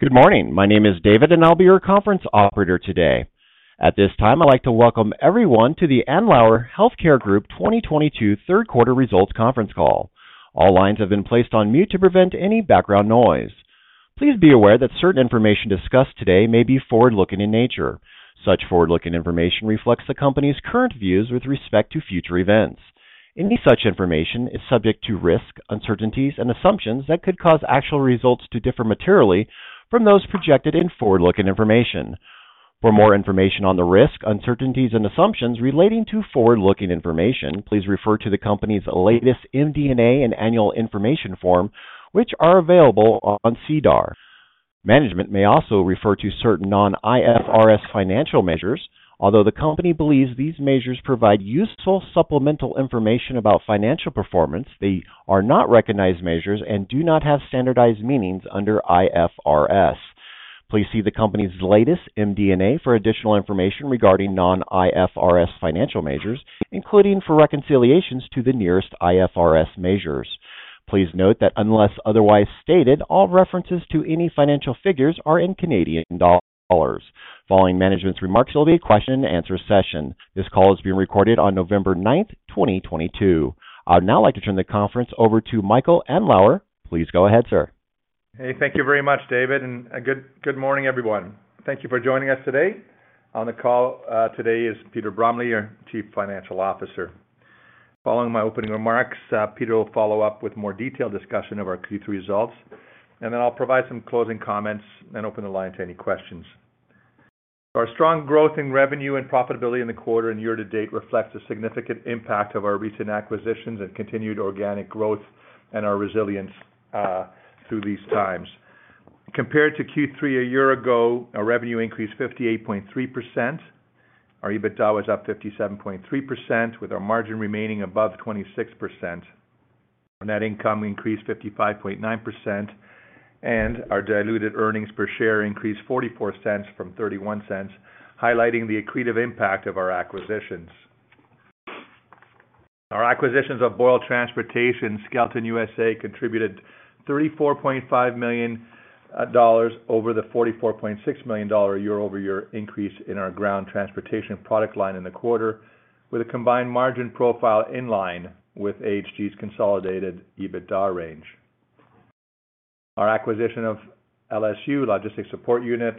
Good morning. My name is David, and I'll be your conference operator today. At this time, I'd like to welcome everyone to the Andlauer Healthcare Group 2022 third quarter results conference call. All lines have been placed on mute to prevent any background noise. Please be aware that certain information discussed today may be forward-looking in nature. Such forward-looking information reflects the company's current views with respect to future events. Any such information is subject to risks, uncertainties, and assumptions that could cause actual results to differ materially from those projected in forward-looking information. For more information on the risks, uncertainties, and assumptions relating to forward-looking information, please refer to the company's latest MD&A and Annual Information Form, which are available on SEDAR. Management may also refer to certain non-IFRS financial measures. Although the company believes these measures provide useful supplemental information about financial performance, they are not recognized measures and do not have standardized meanings under IFRS. Please see the company's latest MD&A for additional information regarding non-IFRS financial measures, including for reconciliations to the nearest IFRS measures. Please note that unless otherwise stated, all references to any financial figures are in Canadian dollars. Following management's remarks, there'll be a question and answer session. This call is being recorded on November ninth, twenty twenty-two. I'd now like to turn the conference over to Michael Andlauer. Please go ahead, sir. Hey, thank you very much, David, and good morning, everyone. Thank you for joining us today. On the call today is Peter Bromley, our Chief Financial Officer. Following my opening remarks, Peter will follow up with more detailed discussion of our Q3 results, and then I'll provide some closing comments and open the line to any questions. Our strong growth in revenue and profitability in the quarter and year-to-date reflects the significant impact of our recent acquisitions and continued organic growth and our resilience through these times. Compared to Q3 a year ago, our revenue increased 58.3%. Our EBITDA was up 57.3% with our margin remaining above 26%. Our net income increased 55.9%, and our diluted earnings per share increased 0.44 from 0.31, highlighting the accretive impact of our acquisitions. Our acquisitions of Boyle Transportation and Skelton USA contributed 34.5 million dollars over the 44.6 million dollar year-over-year increase in our ground transportation product line in the quarter, with a combined margin profile in line with AHG's consolidated EBITDA range. Our acquisition of LSU, Logistics Support Unit,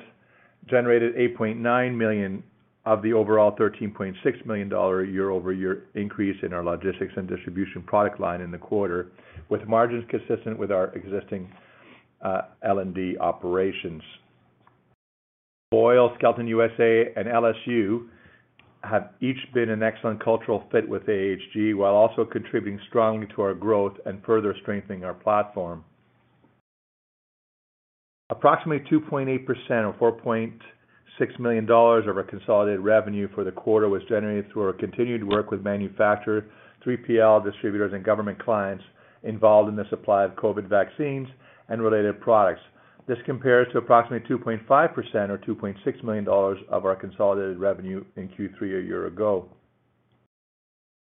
generated 8.9 million of the overall 13.6 million dollar year-over-year increase in our logistics and distribution product line in the quarter, with margins consistent with our existing L&D operations. Boyle, Skelton USA, and LSU have each been an excellent cultural fit with AHG while also contributing strongly to our growth and further strengthening our platform. Approximately 2.8% of 4.6 million dollars of our consolidated revenue for the quarter was generated through our continued work with manufacturer, 3PL distributors, and government clients involved in the supply of COVID vaccines and related products. This compares to approximately 2.5% or 2.6 million dollars of our consolidated revenue in Q3 a year ago.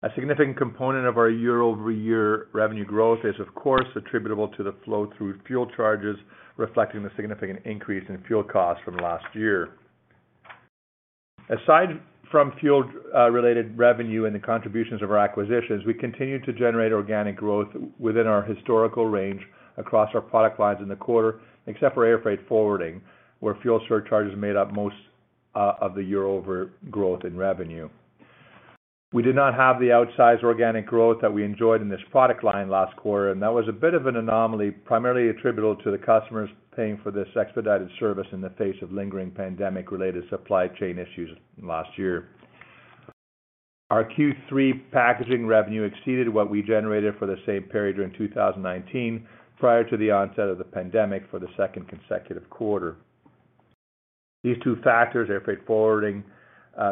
A significant component of our year-over-year revenue growth is, of course, attributable to the flow-through fuel charges, reflecting the significant increase in fuel costs from last year. Aside from fuel-related revenue and the contributions of our acquisitions, we continue to generate organic growth within our historical range across our product lines in the quarter, except for air freight forwarding, where fuel surcharges made up most of the year-over-year growth in revenue. We did not have the outsized organic growth that we enjoyed in this product line last quarter, and that was a bit of an anomaly, primarily attributable to the customers paying for this expedited service in the face of lingering pandemic-related supply chain issues last year. Our Q3 packaging revenue exceeded what we generated for the same period in 2019 prior to the onset of the pandemic for the second consecutive quarter. These two factors, air freight forwarding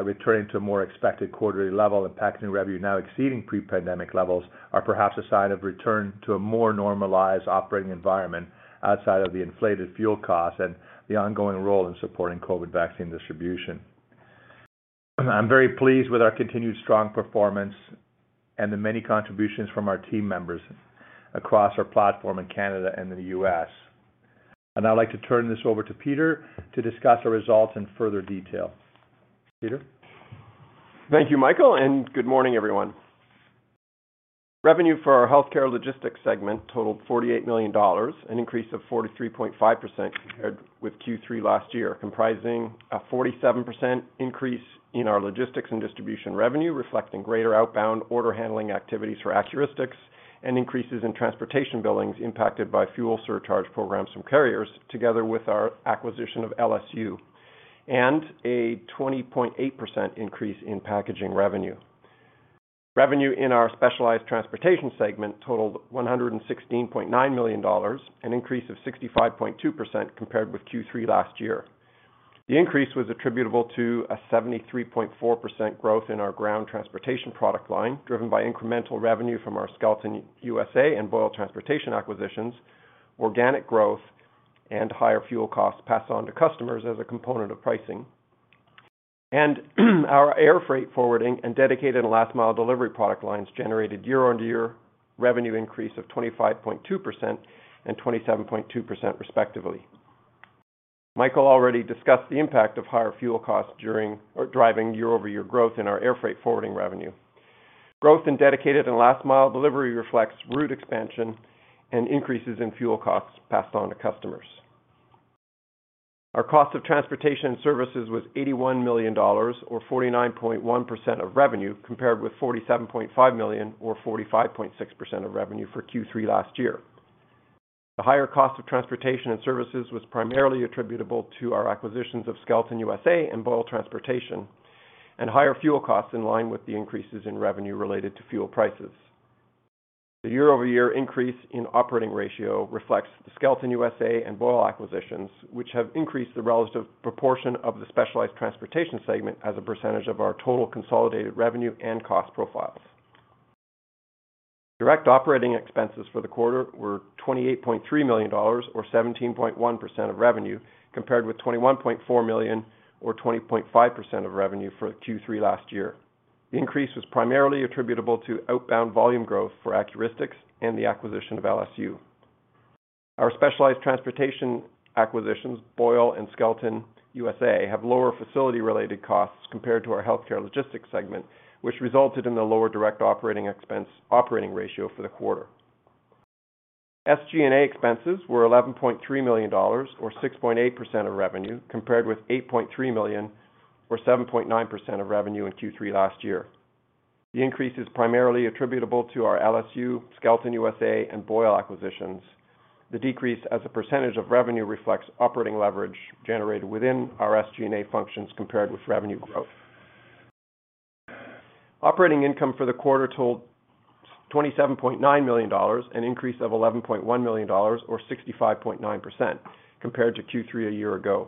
returning to a more expected quarterly level and packaging revenue now exceeding pre-pandemic levels, are perhaps a sign of return to a more normalized operating environment outside of the inflated fuel costs and the ongoing role in supporting COVID vaccine distribution. I'm very pleased with our continued strong performance and the many contributions from our team members across our platform in Canada and in the U.S. I'd now like to turn this over to Peter to discuss our results in further detail. Peter. Thank you, Michael, and good morning, everyone. Revenue for our healthcare logistics segment totaled 48 million dollars, an increase of 43.5% compared with Q3 last year, comprising a 47% increase in our logistics and distribution revenue, reflecting greater outbound order handling activities for Accuristix and increases in transportation billings impacted by fuel surcharge programs from carriers together with our acquisition of LSU, and a 20.8% increase in packaging revenue. Revenue in our specialized transportation segment totaled 116.9 million dollars, an increase of 65.2% compared with Q3 last year. The increase was attributable to a 73.4% growth in our ground transportation product line, driven by incremental revenue from our Skelton USA and Boyle Transportation acquisitions, organic growth, and higher fuel costs passed on to customers as a component of pricing. Our air freight forwarding and dedicated and last mile delivery product lines generated year-on-year revenue increase of 25.2% and 27.2% respectively. Michael already discussed the impact of higher fuel costs and driving year-over-year growth in our air freight forwarding revenue. Growth in dedicated and last mile delivery reflects route expansion and increases in fuel costs passed on to customers. Our cost of transportation services was 81 million dollars or 49.1% of revenue, compared with 47.5 million or 45.6% of revenue for Q3 last year. The higher cost of transportation and services was primarily attributable to our acquisitions of Skelton USA and Boyle Transportation, and higher fuel costs in line with the increases in revenue related to fuel prices. The year-over-year increase in operating ratio reflects the Skelton USA and Boyle acquisitions, which have increased the relative proportion of the specialized transportation segment as a percentage of our total consolidated revenue and cost profiles. Direct operating expenses for the quarter were 28.3 million dollars or 17.1% of revenue, compared with 21.4 million or 20.5% of revenue for Q3 last year. The increase was primarily attributable to outbound volume growth for Accuristix and the acquisition of LSU. Our specialized transportation acquisitions, Boyle and Skelton USA, have lower facility related costs compared to our healthcare logistics segment, which resulted in the lower direct operating expense operating ratio for the quarter. SG&A expenses were 11.3 million dollars or 6.8% of revenue, compared with 8.3 million or 7.9% of revenue in Q3 last year. The increase is primarily attributable to our LSU, Skelton USA and Boyle acquisitions. The decrease as a percentage of revenue reflects operating leverage generated within our SG&A functions compared with revenue growth. Operating income for the quarter totaled 27.9 million dollars, an increase of 11.1 million dollars or 65.9% compared to Q3 a year ago.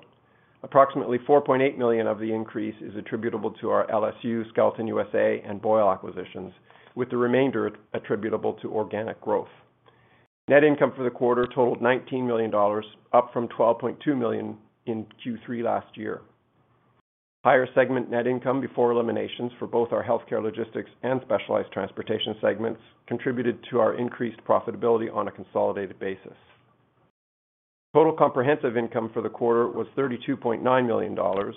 Approximately 4.8 million of the increase is attributable to our LSU, Skelton USA and Boyle acquisitions, with the remainder attributable to organic growth. Net income for the quarter totaled 19 million dollars, up from 12.2 million in Q3 last year. Higher segment net income before eliminations for both our healthcare logistics and specialized transportation segments contributed to our increased profitability on a consolidated basis. Total comprehensive income for the quarter was 32.9 million dollars,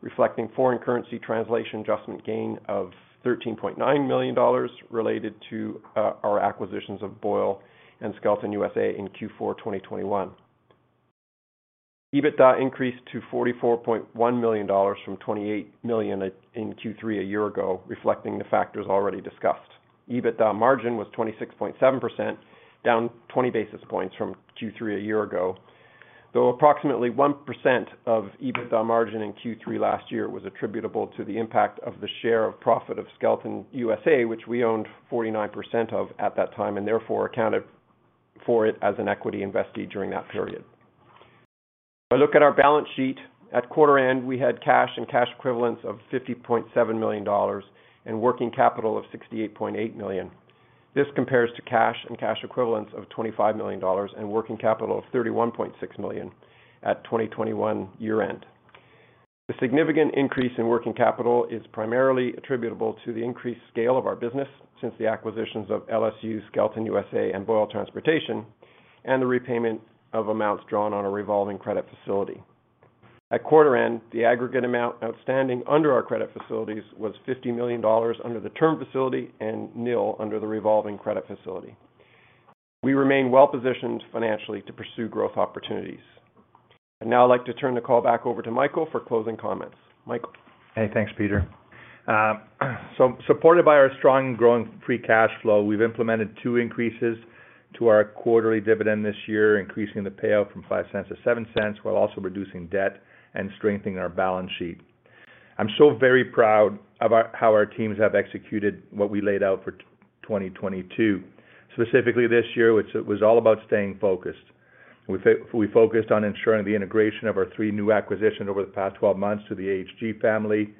reflecting foreign currency translation adjustment gain of $13.9 million related to our acquisitions of Boyle and Skelton USA in Q4 2021. EBITDA increased to 44.1 million dollars from 28 million in Q3 a year ago, reflecting the factors already discussed. EBITDA margin was 26.7%, down 20 basis points from Q3 a year ago, though approximately 1% of EBITDA margin in Q3 last year was attributable to the impact of the share of profit of Skelton USA, which we owned 49% of at that time, and therefore accounted for it as an equity investee during that period. If I look at our balance sheet, at quarter end, we had cash and cash equivalents of 50.7 million dollars and working capital of 68.8 million. This compares to cash and cash equivalents of 25 million dollars and working capital of 31.6 million at 2021 year-end. The significant increase in working capital is primarily attributable to the increased scale of our business since the acquisitions of LSU, Skelton USA, and Boyle Transportation and the repayment of amounts drawn on a revolving credit facility. At quarter end, the aggregate amount outstanding under our credit facilities was 50 million dollars under the term facility and nil under the revolving credit facility. We remain well positioned financially to pursue growth opportunities. I'd now like to turn the call back over to Michael for closing comments. Michael. Hey, thanks, Peter. Supported by our strong growing free cash flow, we've implemented two increases to our quarterly dividend this year, increasing the payout from 0.05 to 0.07, while also reducing debt and strengthening our balance sheet. I'm so very proud of how our teams have executed what we laid out for 2022. Specifically this year, which it was all about staying focused. We focused on ensuring the integration of our three new acquisitions over the past 12 months to the AHG family.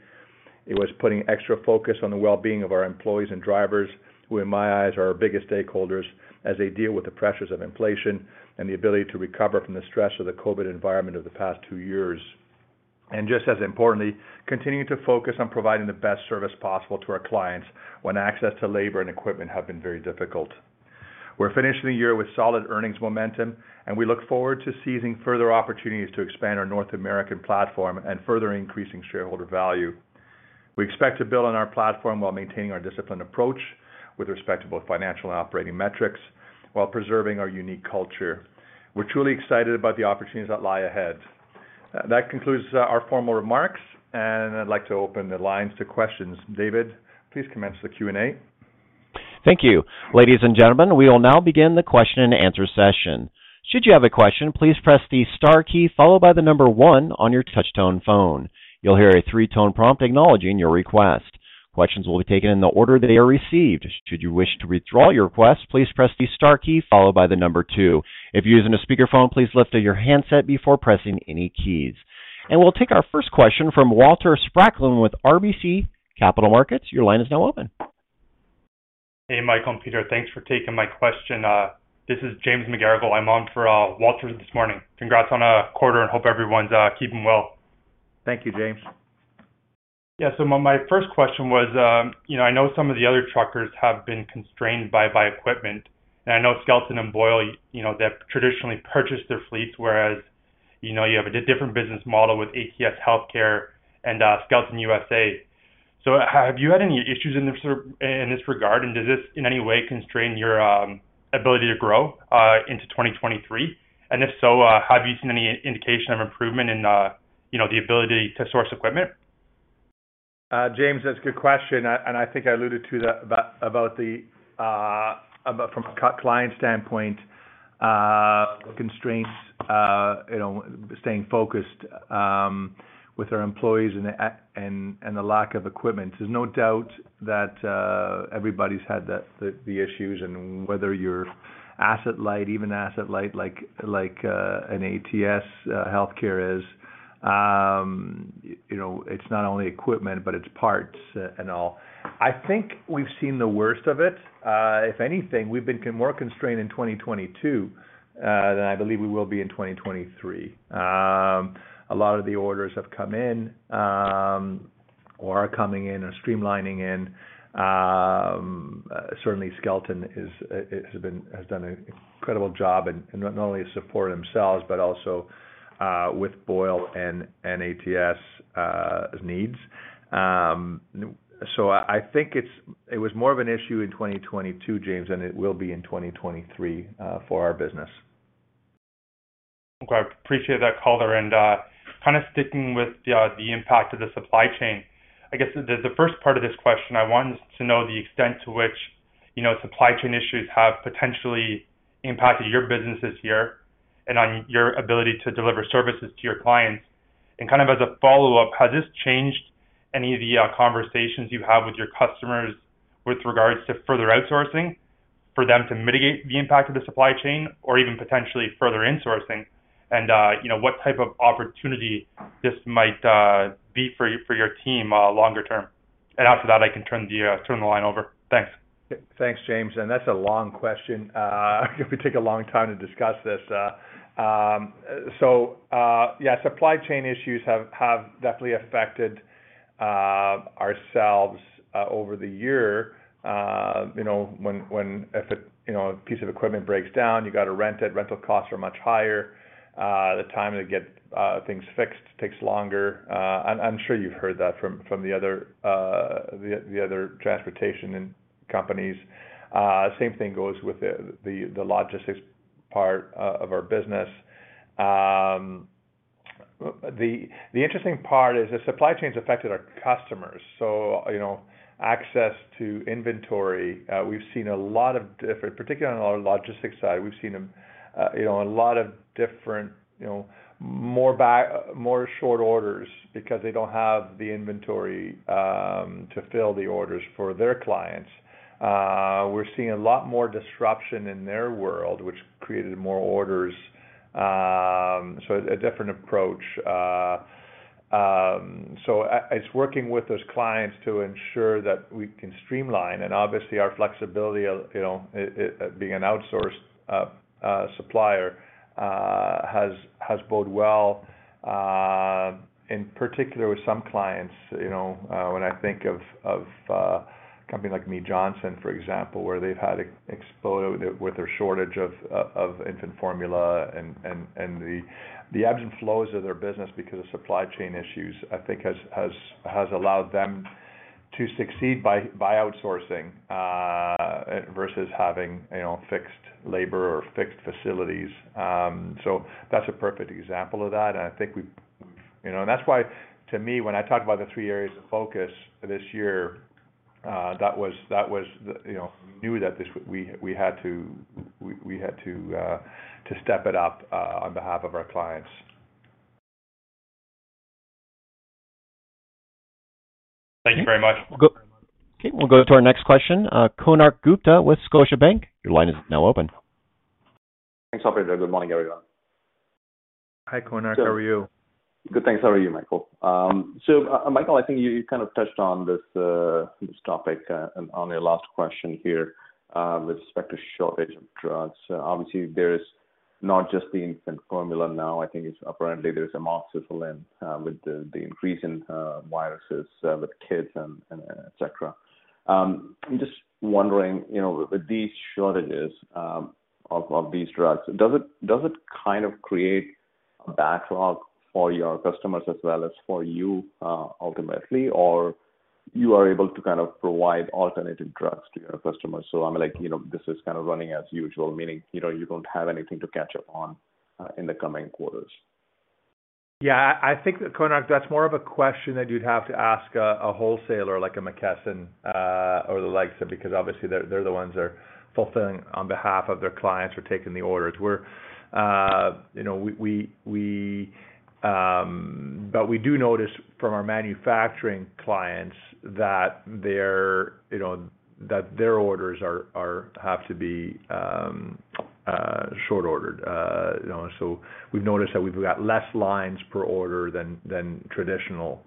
It was putting extra focus on the well-being of our employees and drivers, who in my eyes are our biggest stakeholders as they deal with the pressures of inflation and the ability to recover from the stress of the COVID environment of the past two years. Just as importantly, continuing to focus on providing the best service possible to our clients when access to labor and equipment have been very difficult. We're finishing the year with solid earnings momentum, and we look forward to seizing further opportunities to expand our North American platform and further increasing shareholder value. We expect to build on our platform while maintaining our disciplined approach with respect to both financial and operating metrics while preserving our unique culture. We're truly excited about the opportunities that lie ahead. That concludes our formal remarks, and I'd like to open the lines to questions. David, please commence the Q&A. Thank you. Ladies and gentlemen, we will now begin the question and answer session. Should you have a question, please press the star key followed by the number one on your touch tone phone. You'll hear a three-tone prompt acknowledging your request. Questions will be taken in the order they are received. Should you wish to withdraw your request, please press the star key followed by the number two. If you're using a speakerphone, please lift your handset before pressing any keys. We'll take our first question from Walter Spracklin with RBC Capital Markets. Your line is now open. Hey, Michael and Peter, thanks for taking my question. This is James McGarrigle. I'm on for Walter this morning. Congrats on our quarter, and hope everyone's keeping well. Thank you, James. Yeah. My first question was, you know, I know some of the other truckers have been constrained by equipment, and I know Skelton and Boyle, you know, they've traditionally purchased their fleets, whereas, you know, you have a different business model with ATS Healthcare and Skelton USA. Have you had any issues in this or in this regard? Does this in any way constrain your ability to grow into 2023? If so, have you seen any indication of improvement in, you know, the ability to source equipment? James, that's a good question. I think I alluded to that about the. About from a client standpoint, constraints, you know, staying focused with our employees and the lack of equipment. There's no doubt that everybody's had that, the issues and whether you're asset light, even asset light like an ATS Healthcare is. You know, it's not only equipment, but it's parts and all. I think we've seen the worst of it. If anything, we've been more constrained in 2022 than I believe we will be in 2023. A lot of the orders have come in, or are coming in or streamlining in. Certainly Skelton is, it has done an incredible job in not only supporting themselves but also with Boyle and ATS' needs. I think it was more of an issue in 2022, James, than it will be in 2023, for our business. Okay. I appreciate that color and kinda sticking with the impact of the supply chain. I guess the first part of this question. I wanted to know the extent to which, you know, supply chain issues have potentially impacted your business this year and on your ability to deliver services to your clients. Kind of as a follow-up, has this changed any of the conversations you have with your customers with regards to further outsourcing for them to mitigate the impact of the supply chain or even potentially further insourcing? You know, what type of opportunity this might be for your team longer term? After that, I can turn the line over. Thanks. Thanks, James, and that's a long question. We could take a long time to discuss this. Yeah, supply chain issues have definitely affected ourselves over the year. You know, if a you know a piece of equipment breaks down, you gotta rent it. Rental costs are much higher. The time to get things fixed takes longer. I'm sure you've heard that from the other transportation companies. Same thing goes with the logistics part of our business. The interesting part is the supply chain's affected our customers. You know, access to inventory, we've seen a lot of different, particularly on our logistics side, we've seen a, you know, a lot of different, you know, more short orders because they don't have the inventory to fill the orders for their clients. We're seeing a lot more disruption in their world, which created more orders. A different approach. As working with those clients to ensure that we can streamline and obviously our flexibility of, you know, it being an outsourced supplier has bode well in particular with some clients. You know, when I think of a company like Mead Johnson, for example, where they've had to explode with their shortage of infant formula and the ebbs and flows of their business because of supply chain issues, I think has allowed them to succeed by outsourcing versus having, you know, fixed labor or fixed facilities. So that's a perfect example of that. I think we, you know. That's why to me, when I talk about the three areas of focus this year, that was, you know, we knew that this, we had to step it up on behalf of our clients. Thank you very much. We'll go- Okay. We'll go to our next question. Konark Gupta with Scotiabank, your line is now open. Thanks, operator. Good morning, everyone. Hi, Konark. How are you? Good, thanks. How are you, Michael? Michael, I think you kind of touched on this topic on your last question here with respect to shortage of drugs. Obviously, there is not just the infant formula now. I think it's apparently there's amoxicillin with the increase in viruses with kids and et cetera. I'm just wondering, you know, with these shortages of these drugs, does it kind of create a backlog for your customers as well as for you ultimately? Or you are able to kind of provide alternative drugs to your customers? I'm like, you know, this is kind of running as usual, meaning, you know, you don't have anything to catch up on in the coming quarters. Yeah. I think that Konark, that's more of a question that you'd have to ask a wholesaler like McKesson or the likes of, because obviously they're the ones that are fulfilling on behalf of their clients or taking the orders. We do notice from our manufacturing clients that their orders are having to be short ordered. We've noticed that we've got less lines per order than traditional,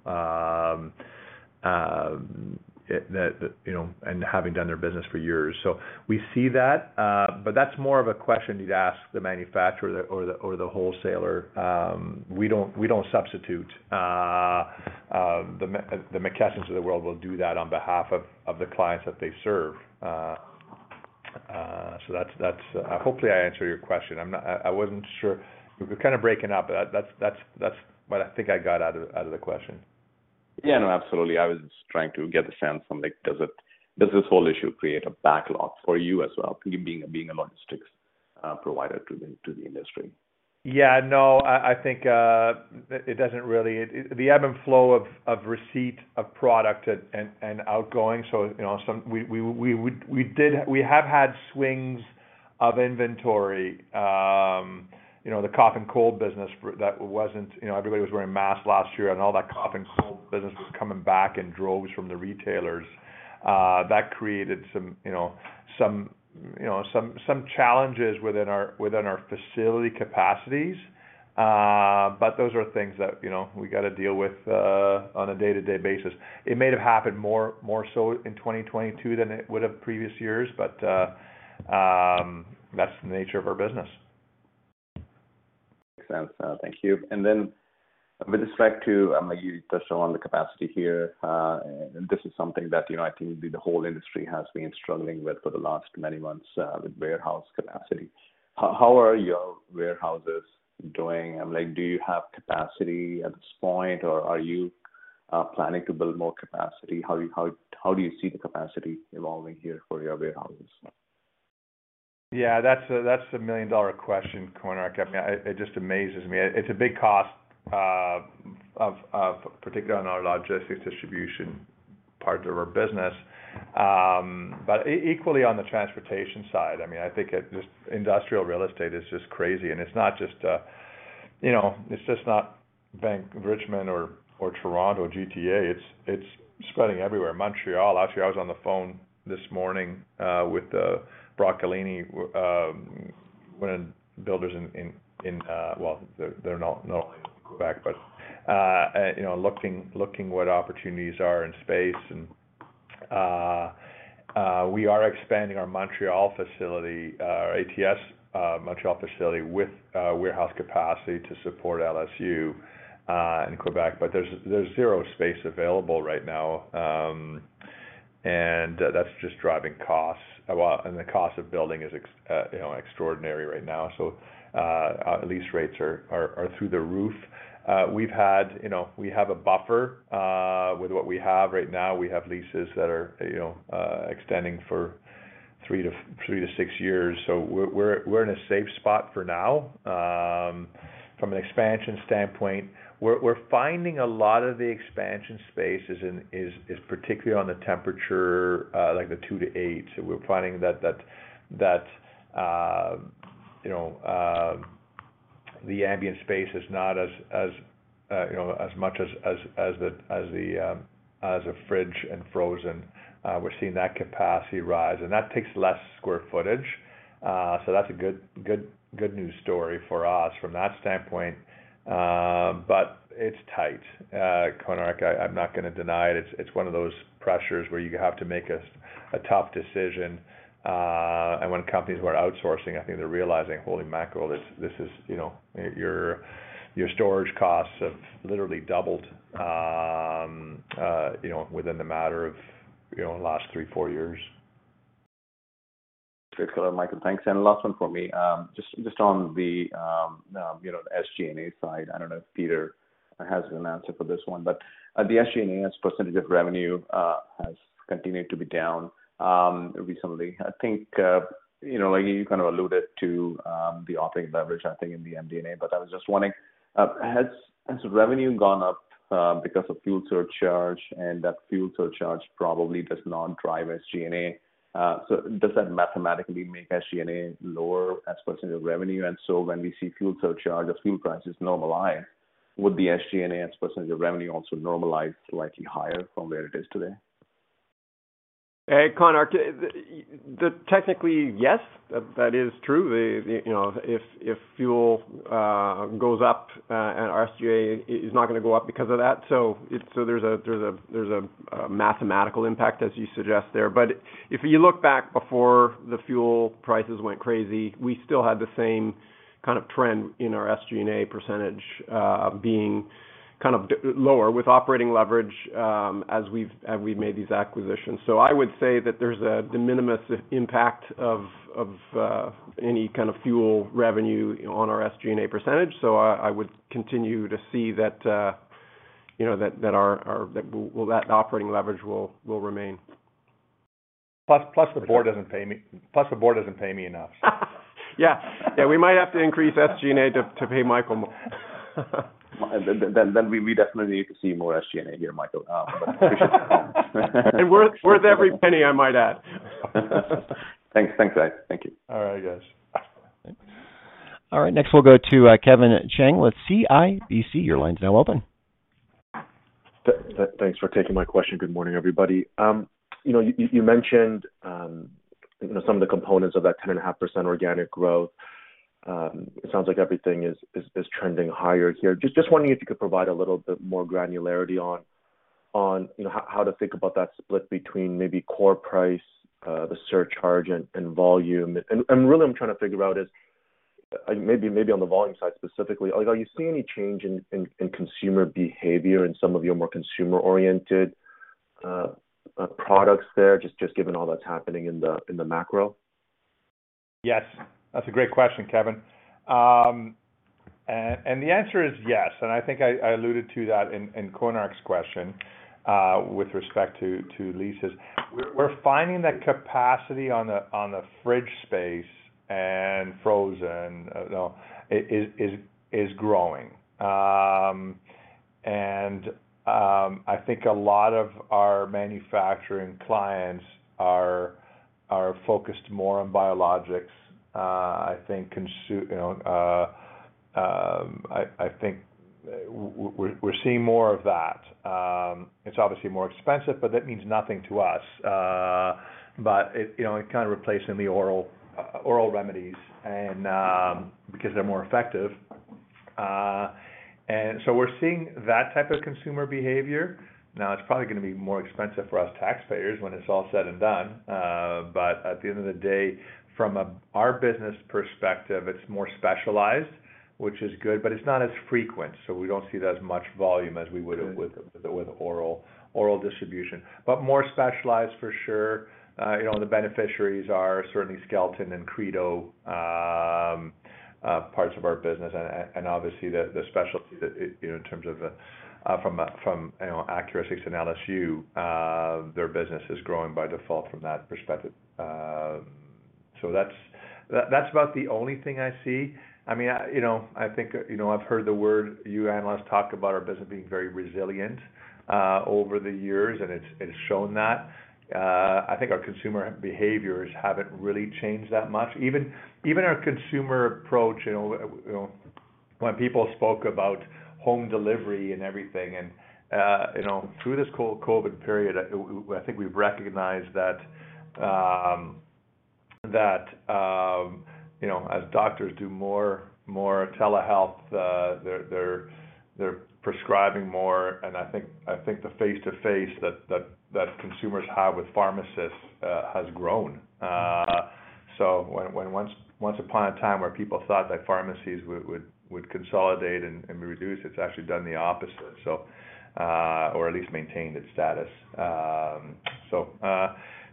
and having done their business for years. We see that, but that's more of a question you'd ask the manufacturer or the wholesaler. We don't substitute. The McKessons of the world will do that on behalf of the clients that they serve. That's, hopefully, I answered your question. I wasn't sure. You were kind of breaking up, but that's what I think I got out of the question. Yeah, no, absolutely. I was trying to get a sense from like, does this whole issue create a backlog for you as well, you being a logistics provider to the industry? Yeah, no, I think it doesn't really. The ebb and flow of receipt of product and outgoing. We have had swings of inventory. You know, the cough and cold business that wasn't, you know, everybody was wearing masks last year, and all that cough and cold business was coming back in droves from the retailers. That created some, you know, challenges within our facility capacities. Those are things that, you know, we gotta deal with on a day-to-day basis. It may have happened more so in 2022 than it would have previous years, but that's the nature of our business. Makes sense. Thank you. Then with respect to, you touched on the capacity here, this is something that, you know, I think the whole industry has been struggling with for the last many months, the warehouse capacity. How are your warehouses doing? I mean, like, do you have capacity at this point, or are you planning to build more capacity? How do you see the capacity evolving here for your warehouses? Yeah, that's a million-dollar question, Konark. I mean, it just amazes me. It's a big cost, particularly on our logistics distribution part of our business. Equally on the transportation side, I mean, I think just industrial real estate is just crazy. It's not just, you know, it's just not in Richmond or Toronto, GTA. It's spreading everywhere. Montreal, actually, I was on the phone this morning with Broccolini, one of the builders in, well, they're not in Quebec, but you know, looking what opportunities are in space. We are expanding our Montreal facility, our ATS Montreal facility with warehouse capacity to support LSU in Quebec. There's zero space available right now, and that's just driving costs. Well, the cost of building is extraordinary right now. Our lease rates are through the roof. We have a buffer with what we have right now. We have leases that are extending for three-six years. We're in a safe spot for now from an expansion standpoint. We're finding a lot of the expansion space is in particularly on the temperature like the two-eight. We're finding that the ambient space is not as much as the fridge and frozen. We're seeing that capacity rise. That takes less square footage, so that's a good news story for us from that standpoint. It's tight. Konark, I'm not gonna deny it. It's one of those pressures where you have to make a tough decision. When companies were outsourcing, I think they're realizing, holy mackerel, this is, you know, your storage costs have literally doubled, you know, within the matter of, you know, the last three-four years. Great. Cool, Michael. Thanks. Last one from me. Just on the SG&A side. I don't know if Peter has an answer for this one, but the SG&A's percentage of revenue has continued to be down recently. I think you know, like you kind of alluded to, the operating leverage, I think, in the MD&A, but I was just wondering, has revenue gone up because of fuel surcharge, and that fuel surcharge probably does not drive SG&A? Does that mathematically make SG&A lower as percentage of revenue? When we see fuel surcharge or fuel prices normalize, would the SG&A as percentage of revenue also normalize slightly higher from where it is today? Hey, Konark, technically, yes, that is true. You know, if fuel goes up and our SG&A is not gonna go up because of that, so there's a mathematical impact, as you suggest there. If you look back before the fuel prices went crazy, we still had the same kind of trend in our SG&A percentage being kind of lower with operating leverage, as we've made these acquisitions. I would say that there's a de minimis impact of any kind of fuel revenue on our SG&A percentage. I would continue to see that, you know, that our operating leverage will remain. Plus the board doesn't pay me enough. Yeah. Yeah, we might have to increase SG&A to pay Michael more. We definitely need to see more SG&A here, Michael. Appreciate the comment. Worth every penny, I might add. Thanks. Thanks, guys. Thank you. All right, guys. All right. Next, we'll go to Kevin Chiang with CIBC. Your line's now open. Thanks for taking my question. Good morning, everybody. You know, you mentioned some of the components of that 10.5% organic growth. It sounds like everything is trending higher here. Just wondering if you could provide a little bit more granularity on you know, how to think about that split between maybe core price, the surcharge and volume. Really I'm trying to figure out is maybe on the volume side specifically, like are you seeing any change in consumer behavior in some of your more consumer-oriented products there, just given all that's happening in the macro? Yes, that's a great question, Kevin. The answer is yes, and I think I alluded to that in Konark's question with respect to leases. We're finding the capacity on the fridge space and frozen is growing. I think a lot of our manufacturing clients are focused more on biologics. You know, I think we're seeing more of that. It's obviously more expensive, but that means nothing to us. But it, you know, it kind of replacing the oral remedies because they're more effective. We're seeing that type of consumer behavior. Now, it's probably gonna be more expensive for us taxpayers when it's all said and done, but at the end of the day, from our business perspective, it's more specialized, which is good, but it's not as frequent, so we don't see as much volume as we would have with the oral distribution. More specialized for sure. You know, the beneficiaries are certainly Skelton and Credo, parts of our business and obviously the specialty, you know, in terms of Accuristix and LSU, their business is growing by default from that perspective. That's about the only thing I see. I mean, you know, I think, you know, I've heard the word you analysts talk about our business being very resilient over the years, and it has shown that. I think our consumer behaviors haven't really changed that much. Even our consumer approach, you know, when people spoke about home delivery and everything and, you know, through this COVID period, I think we've recognized that, you know, as doctors do more telehealth, they're prescribing more, and I think the face-to-face that consumers have with pharmacists has grown. When once upon a time when people thought that pharmacies would consolidate and reduce, it's actually done the opposite, or at least maintain its status.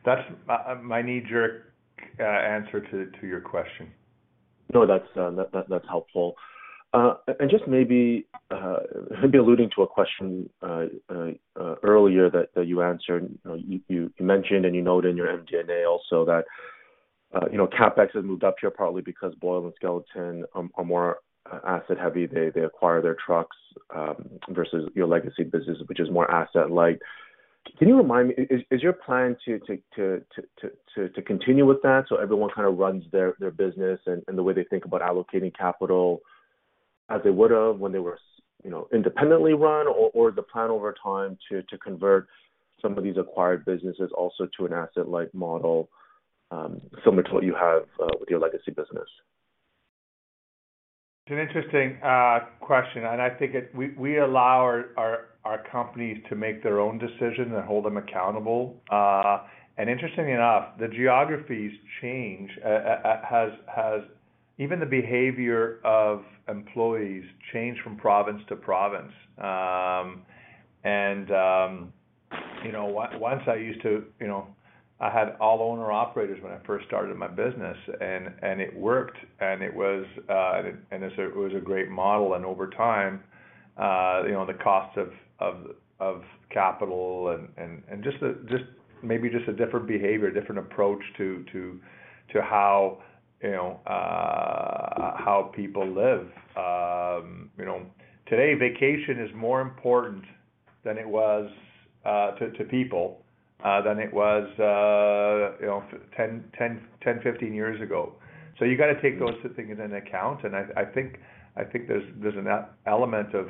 That's my knee-jerk answer to your question. No, that's helpful. Just maybe alluding to a question earlier that you answered, you know, you mentioned and you noted in your MD&A also that you know CapEx has moved up here partly because Boyle and Skelton are more asset heavy. They acquire their trucks versus your legacy business, which is more asset light. Can you remind me, is your plan to continue with that, so everyone kind of runs their business and the way they think about allocating capital as they would have when they were independently run or the plan over time to convert some of these acquired businesses also to an asset light model similar to what you have with your legacy business? It's an interesting question, and I think we allow our companies to make their own decisions and hold them accountable. Interestingly enough, the geographies change, even the behavior of employees change from province to province. You know, once I used to, you know, I had all owner-operators when I first started my business and it worked, and it was a great model. Over time, you know, the cost of capital and just maybe a different behavior, different approach to, you know, how people live. You know, today, vacation is more important than it was to people than it was, you know, 10-15 years ago. You gotta take those two things into account. I think there's an element of,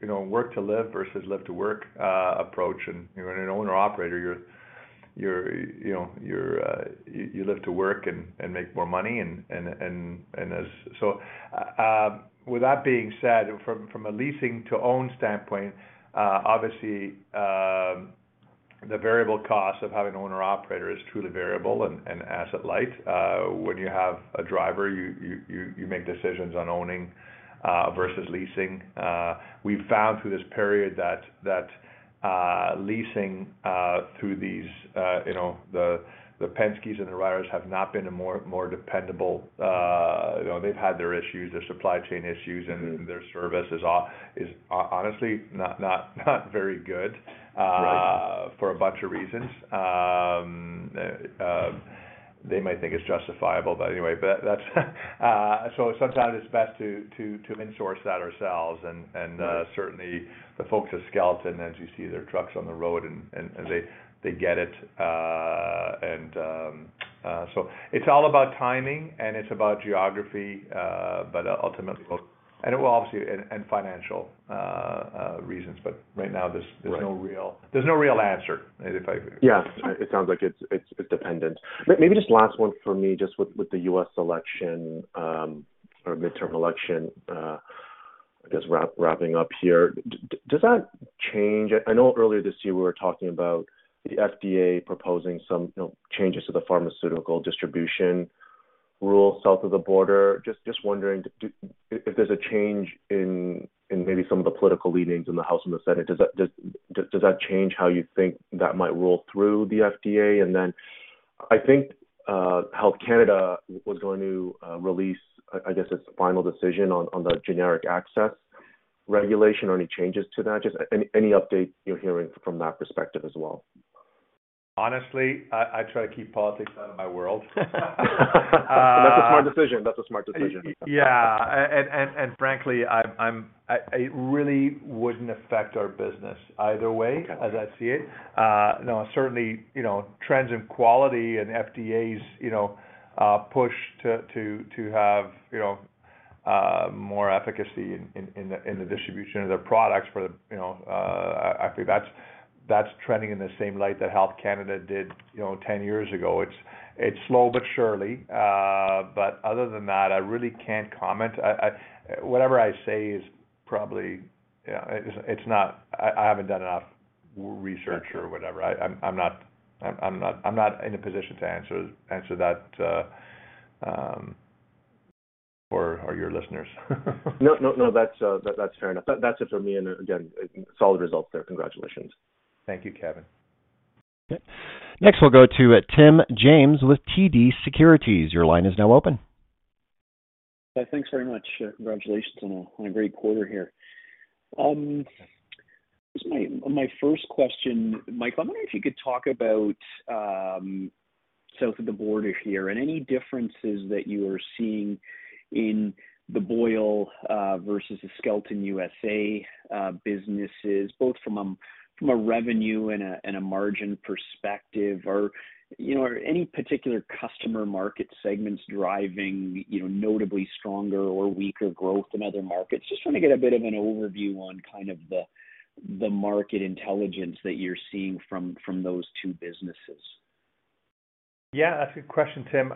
you know, work to live versus live to work approach. You know, an owner-operator, you live to work and as. With that being said, from a leasing to own standpoint, obviously, the variable cost of having an owner-operator is truly variable and asset light. When you have a driver, you make decisions on owning versus leasing. We've found through this period that leasing through these, you know, the Penske and the Ryder have not been more dependable. You know, they've had their issues, their supply chain issues, and their service is honestly not very good. Right For a bunch of reasons. They might think it's justifiable, but anyway. Sometimes it's best to in-source that ourselves and certainly the folks at Skelton, as you see their trucks on the road and they get it. It's all about timing and it's about geography, but ultimately about people and financial reasons, but right now there's no real Right. There's no real answer if I. Yeah. It sounds like it's dependent. Maybe just last one for me, just with the U.S. election, or midterm election, I guess wrapping up here. Does that change? I know earlier this year we were talking about the FDA proposing some, you know, changes to the pharmaceutical distribution rules south of the border. Just wondering if there's a change in maybe some of the political leadership in the House and the Senate, does that change how you think that might roll through the FDA? Then I think Health Canada was going to release, I guess, its final decision on the Patented Medicines Regulations. Are any changes to that? Just any update you're hearing from that perspective as well? Honestly, I try to keep politics out of my world. That's a smart decision. Yeah. Frankly, it really wouldn't affect our business either way. Okay. As I see it. No, certainly, you know, trends in quality and FDA's, you know, push to have, you know, more efficacy in the distribution of their products for the, you know. I think that's trending in the same light that Health Canada did, you know, 10 years ago. It's slow, but surely. Other than that, I really can't comment. Whatever I say is probably, you know, it's not. I haven't done enough research or whatever. I'm not in a position to answer that for your listeners. No, no, that's fair enough. That's it for me. Again, solid results there. Congratulations. Thank you, Kevin. Next, we'll go to Tim James with TD Securities. Your line is now open. Thanks very much. Congratulations on a great quarter here. I guess my first question, Mike, I wonder if you could talk about south of the border here and any differences that you are seeing in the Boyle versus the Skelton USA businesses, both from a revenue and a margin perspective. You know, are any particular customer market segments driving notably stronger or weaker growth than other markets? Just trying to get a bit of an overview on kind of the market intelligence that you're seeing from those two businesses. Yeah, that's a good question, Tim.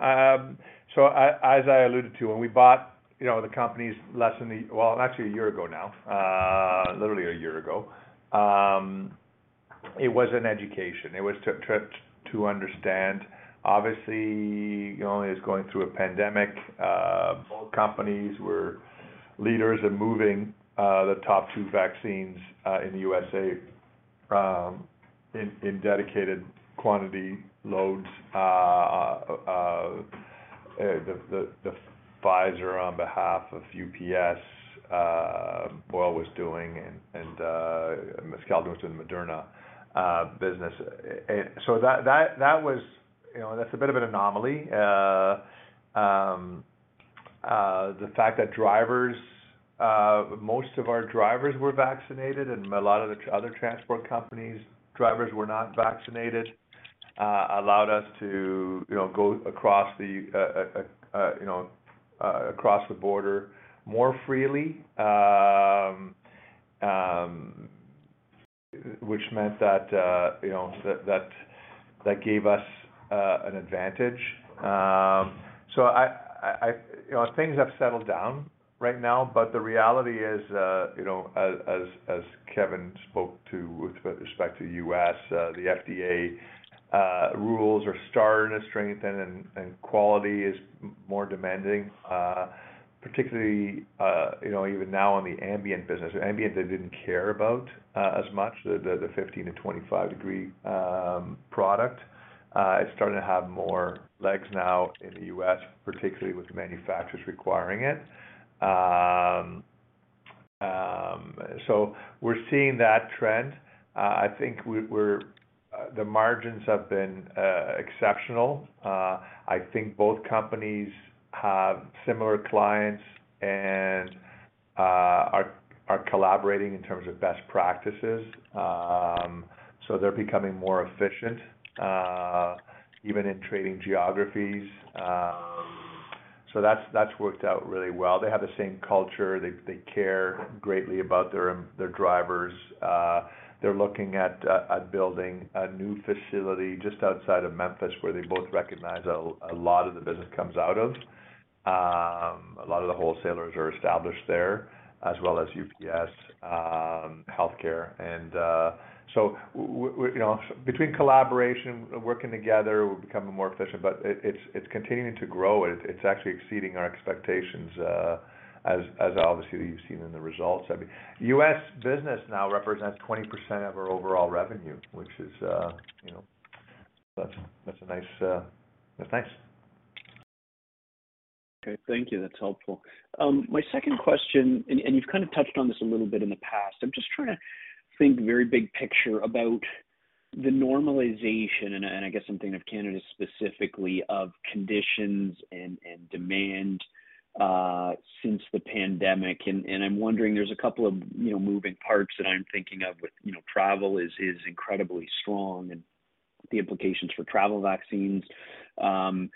So as I alluded to when we bought, you know, the companies less than, actually a year ago now, literally a year ago, it was an education. It was to understand. Obviously, you know, it's going through a pandemic. Both companies were leaders in moving the top two vaccines in the USA in dedicated quantity loads. The Pfizer on behalf of UPS, Boyle was doing and Skelton was doing Moderna business. That was, you know, that's a bit of an anomaly. The fact that most of our drivers were vaccinated and a lot of the other transport companies drivers were not vaccinated allowed us to, you know, go across the border more freely, which meant that, you know, that gave us an advantage. You know, things have settled down right now, but the reality is, you know, as Kevin spoke to with respect to U.S., the FDA rules are starting to strengthen and quality is more demanding, particularly, you know, even now on the ambient business. Ambient, they didn't care as much about the 15- to 25-degree product. It's starting to have more legs now in the U.S., particularly with manufacturers requiring it. We're seeing that trend. I think the margins have been exceptional. I think both companies have similar clients and are collaborating in terms of best practices. They're becoming more efficient even in trading geographies. That's worked out really well. They have the same culture. They care greatly about their drivers. They're looking at building a new facility just outside of Memphis, where they both recognize a lot of the business comes out of. A lot of the wholesalers are established there, as well as UPS Healthcare. We, you know, between collaboration, working together, are becoming more efficient. It's continuing to grow. It's actually exceeding our expectations, as obviously you've seen in the results. I mean, U.S. business now represents 20% of our overall revenue, which is, you know, that's nice. Okay. Thank you. That's helpful. My second question, and you've kind of touched on this a little bit in the past. I'm just trying to think very big picture about the normalization, and I guess I'm thinking of Canada specifically, of conditions and demand since the pandemic. I'm wondering, there's a couple of, you know, moving parts that I'm thinking of with, you know, travel is incredibly strong and the implications for travel vaccines. I'm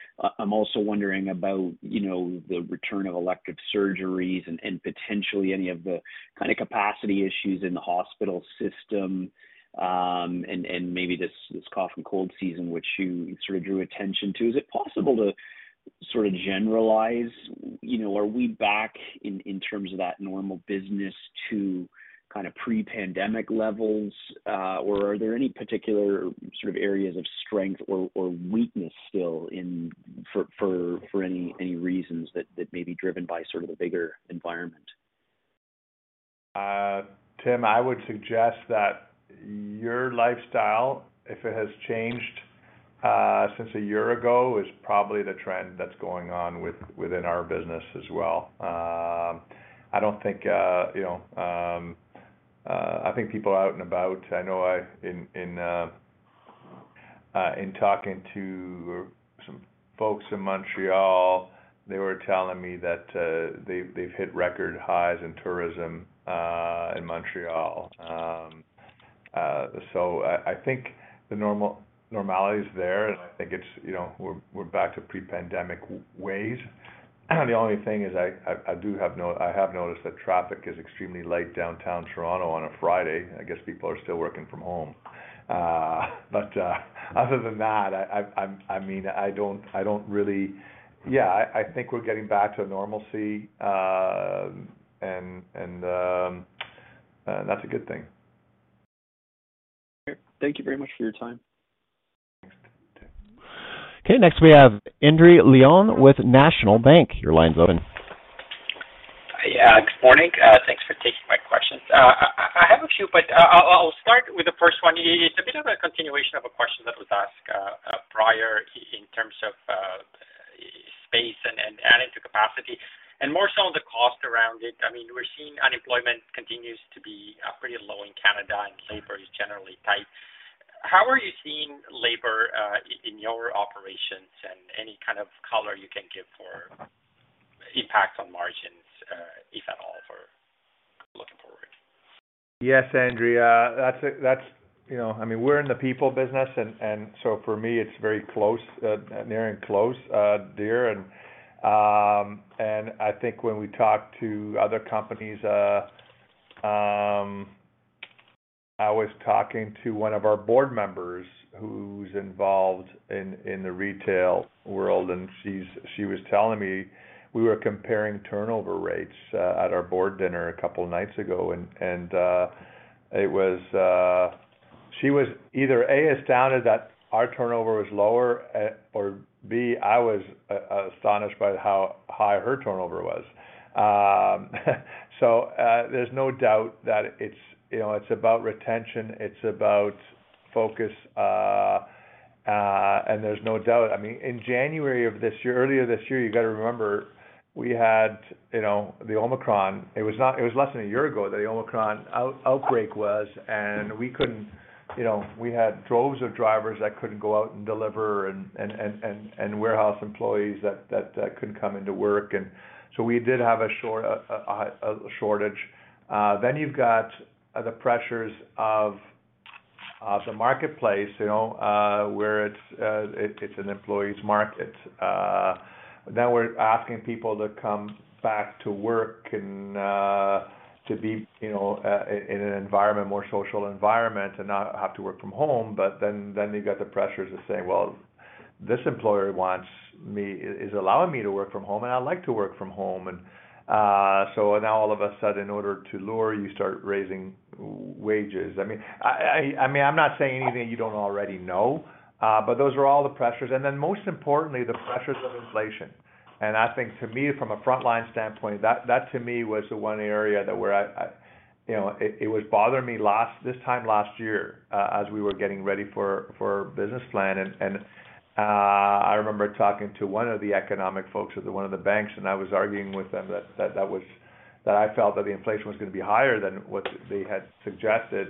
also wondering about, you know, the return of elective surgeries and potentially any of the kind of capacity issues in the hospital system, and maybe this cough and cold season, which you sort of drew attention to. Is it possible to sort of generalize? You know, are we back in terms of that normal business to kind of pre-pandemic levels? Are there any particular sort of areas of strength or weakness still for any reasons that may be driven by sort of the bigger environment? Tim, I would suggest that your lifestyle, if it has changed since a year ago, is probably the trend that's going on within our business as well. I don't think you know, I think people are out and about. I know in talking to some folks in Montreal, they were telling me that they've hit record highs in tourism in Montreal. I think the normality is there, and I think it's you know, we're back to pre-pandemic ways. The only thing is I have noticed that traffic is extremely light downtown Toronto on a Friday. I guess people are still working from home. Other than that, I mean, I don't really. Yeah, I think we're getting back to normalcy, and that's a good thing. Thank you very much for your time. Thanks. Okay. Next we have Endri Leno with National Bank. Your line's open. Hi. Yeah, good morning. Thanks for taking my questions. I have a few, but I'll start with the first one. It's a bit of a continuation of a question that was asked prior in terms of space and adding to capacity and more so the cost around it. I mean, we're seeing unemployment continues to be pretty low in Canada, and labor is generally tight. How are you seeing labor in your operations and any kind of color you can give for impact on margins, if at all, for looking forward? Yes, Endri. That's, you know, I mean, we're in the people business and so for me it's very close, near and dear. I think when we talk to other companies, I was talking to one of our board members who's involved in the retail world, and she was telling me we were comparing turnover rates at our board dinner a couple of nights ago. It was she was either A, astounded that our turnover was lower, or B, I was astonished by how high her turnover was. There's no doubt that it's, you know, it's about retention, it's about focus, and there's no doubt. I mean, in January of this year, earlier this year, you got to remember we had, you know, the Omicron. It was less than a year ago that the Omicron outbreak was, and we couldn't, you know, we had droves of drivers that couldn't go out and deliver and warehouse employees that couldn't come into work. We did have a short shortage. You've got the pressures of the marketplace, you know, where it's an employee's market. Now we're asking people to come back to work and to be, you know, in an environment, more social environment and not have to work from home. You've got the pressures of saying, "Well, this employer is allowing me to work from home, and I like to work from home." Now all of a sudden, in order to lure, you start raising wages. I mean, I'm not saying anything you don't already know, but those are all the pressures. Most importantly, the pressures of inflation. I think to me, from a frontline standpoint, that to me was the one area where I, you know, it was bothering me this time last year, as we were getting ready for business plan. I remember talking to one of the economic folks at one of the banks, and I was arguing with them that I felt that the inflation was going to be higher than what they had suggested,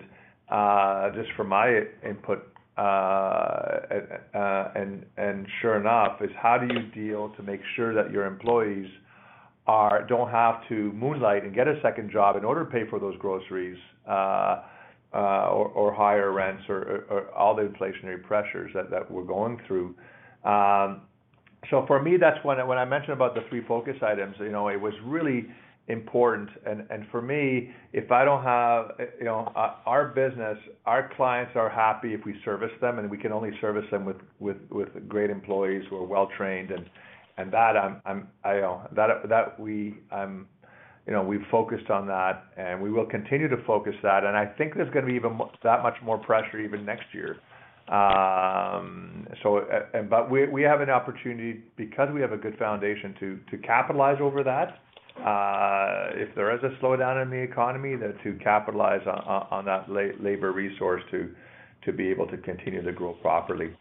just from my input. Sure enough, it's how do you deal to make sure that your employees don't have to moonlight and get a second job in order to pay for those groceries, or higher rents or all the inflationary pressures that we're going through. For me that's when I mentioned about the three focus items, you know, it was really important. For me, if I don't have you know our business, our clients are happy if we service them, and we can only service them with great employees who are well trained. That we focused on that, and we will continue to focus that. I think there's going to be that much more pressure even next year. We have an opportunity because we have a good foundation to capitalize over that. If there is a slowdown in the economy, then to capitalize on that labor resource to be able to continue to grow properly.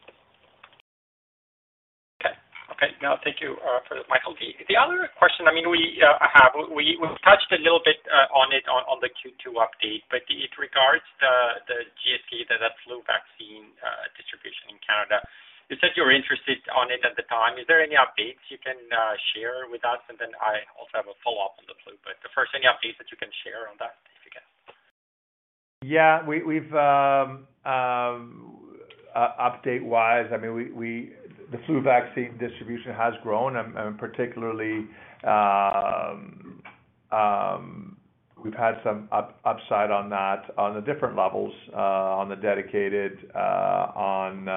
No, thank you for that, Michael. The other question, I mean, we've touched a little bit on it in the Q2 update, but it regards the GSK, the flu vaccine distribution in Canada. You said you were interested in it at the time. Is there any updates you can share with us? Then I also have a follow-up on the flu. First, any updates that you can share on that? Update wise, I mean, the flu vaccine distribution has grown, particularly, we've had some upside on that on the different levels, on the dedicated, on,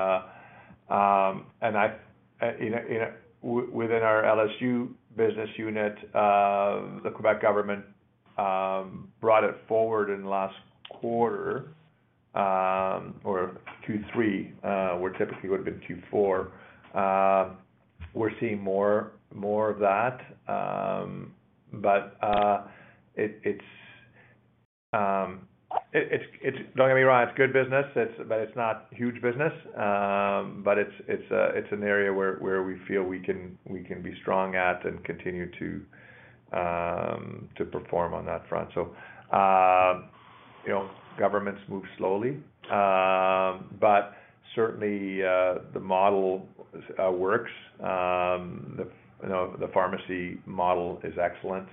and you know, within our LSU business unit, the Quebec government brought it forward in the last quarter, or two, three, where typically would have been two, four. We're seeing more of that. But don't get me wrong, it's good business. But it's not huge business. But it's an area where we feel we can be strong at and continue to perform on that front. You know, governments move slowly, but certainly the model works. You know, the pharmacy model is excellent,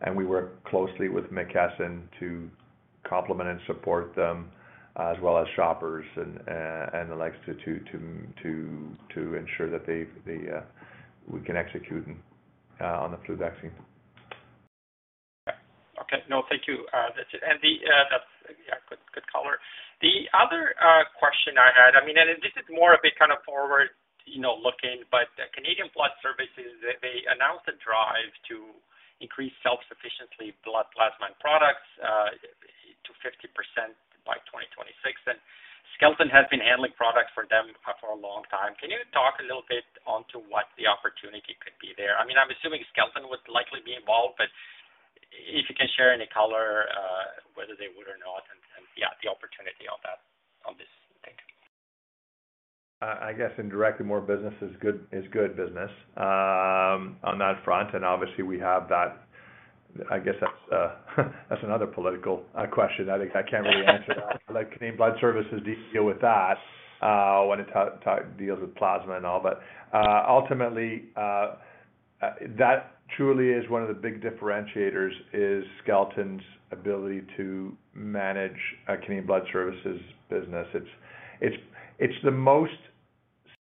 and we work closely with McKesson to complement and support them, as well as Shoppers and the likes to ensure that we can execute on the flu vaccine. Okay. No, thank you. That's it. That's yeah, good color. The other question I had, I mean, this is more of a kind of forward, you know, looking, but Canadian Blood Services, they announced a drive to increase self-sufficiency blood plasma and products to 50% by 2026. Skelton has been handling products for them for a long time. Can you talk a little bit about what the opportunity could be there? I mean, I'm assuming Skelton would likely be involved, but if you can share any color, whether they would or not and yeah, the opportunity on that, on this. Thank you. I guess indirectly, more business is good business on that front. Obviously we have that. I guess that's another political question. I think I can't really answer that. Let Canadian Blood Services deal with that when it deals with plasma and all. Ultimately, that truly is one of the big differentiators is Skelton's ability to manage Canadian Blood Services business. It's the most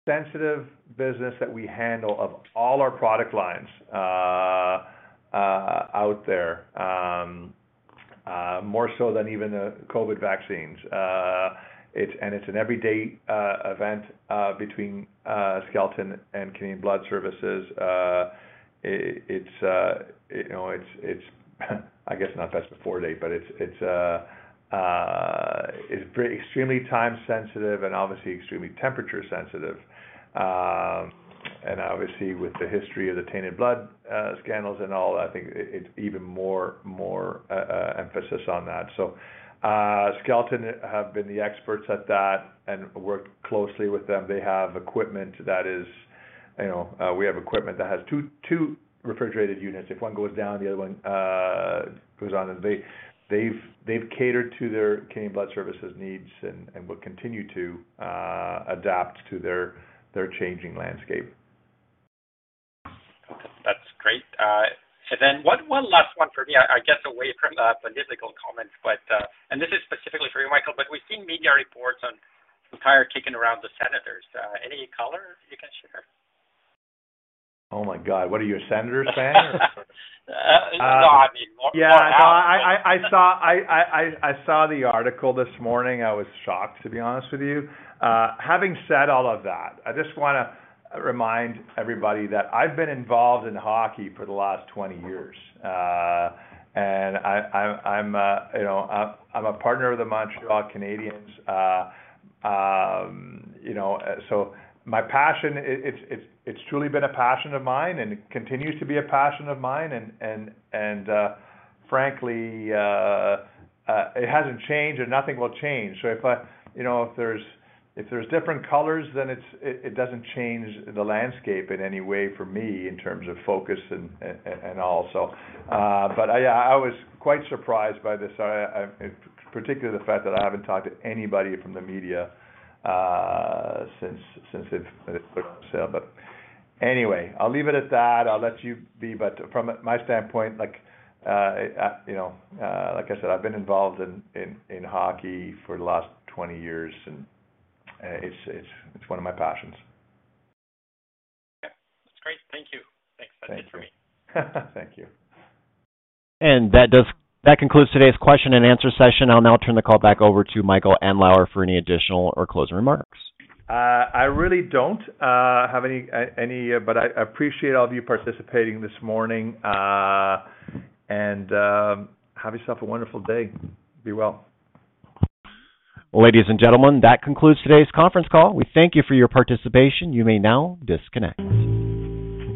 sensitive business that we handle of all our product lines out there, more so than even the COVID vaccines. It's an everyday event between Skelton and Canadian Blood Services. It's, you know, it's not best before date, but it's extremely time sensitive and obviously extremely temperature sensitive. Obviously with the history of the tainted blood scandals and all, I think it's even more emphasis on that. Skelton have been the experts at that and work closely with them. They have equipment that is, you know. We have equipment that has two refrigerated units. If one goes down, the other one goes on. They've catered to their Canadian Blood Services needs and will continue to adapt to their changing landscape. That's great. One last one for me, I guess, away from the political comments. This is specifically for you, Michael. We've seen media reports on the tire kicking around the Senators. Any color you can share? Oh my God, what are you a Senators fan or? No, I mean more. Yeah. No, I saw the article this morning. I was shocked, to be honest with you. Having said all of that, I just wanna remind everybody that I've been involved in hockey for the last 20 years. I'm a partner of the Montreal Canadiens. You know, my passion, it's truly been a passion of mine, and it continues to be a passion of mine and frankly, it hasn't changed, and nothing will change. You know, if there's different colors, then it doesn't change the landscape in any way for me in terms of focus and all. Yeah, I was quite surprised by this. Particularly the fact that I haven't talked to anybody from the media since it put on sale. Anyway, I'll leave it at that. I'll let you be. From my standpoint, like, you know, like I said, I've been involved in hockey for the last 20 years, and it's one of my passions. Okay. That's great. Thank you. Thanks. That's it for me. Thank you. That concludes today's question and answer session. I'll now turn the call back over to Michael Andlauer for any additional or closing remarks. I really don't have any, but I appreciate all of you participating this morning, and have yourself a wonderful day. Be well. Ladies and gentlemen, that concludes today's conference call. We thank you for your participation. You may now disconnect.